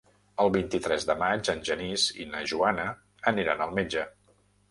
El vint-i-tres de maig en Genís i na Joana aniran al metge.